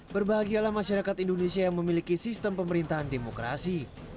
berbahagialah masyarakat indonesia yang memiliki sistem pemerintahan demokrasi